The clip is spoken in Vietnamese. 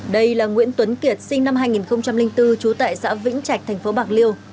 đây là nguyễn tuấn kiệt sinh năm hai nghìn bốn trú tại xã vĩnh trạch thành phố bạc liêu